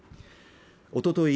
おととい